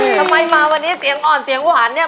ทำไมมาวันนี้เสียงอ่อนเสียงหวานเนี่ย